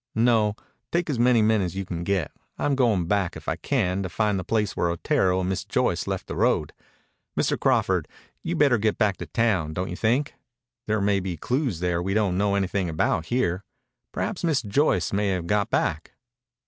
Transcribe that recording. "No. Take as many men as you can get. I'm going back, if I can, to find the place where Otero and Miss Joyce left the road. Mr. Crawford, you'd better get back to town, don't you think? There may be clues there we don't know anything about here. Perhaps Miss Joyce may have got back."